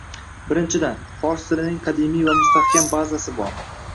Birinchidan, fors tilining qadimiy va mustahkam bazasi bor